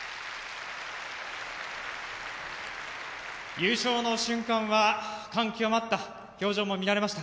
優勝の瞬間は感極まった表情も見られました。